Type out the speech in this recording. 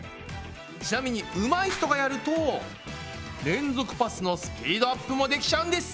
ちなみにうまい人がやると連続パスのスピードアップもできちゃうんです！